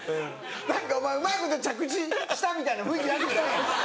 何かお前うまいこと着地したみたいな雰囲気。